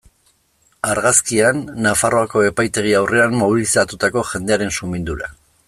Argazkian, Nafarroako epaitegi aurrean mobilizatutako jendearen sumindura.